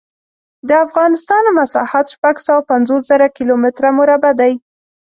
د افغانستان مسحت شپږ سوه پنځوس زره کیلو متره مربع دی.